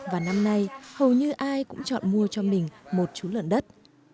và năm nay hầu như ai cũng chọn mua cho mình một chú lợn đất